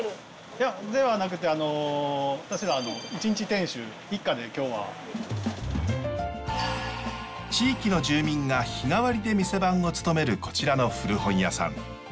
いやではなくてあの私は地域の住民が日替わりで店番を務めるこちらの古本屋さん。